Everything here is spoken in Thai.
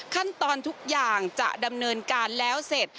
ขั้นตอนทุกอย่างจะดำเนินการแล้วเสร็จ